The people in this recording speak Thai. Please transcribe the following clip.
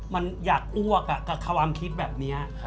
มันอยากอ้วกกับความคิดแบบนี้